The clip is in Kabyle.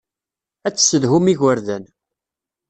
Ad tessedhum igerdan.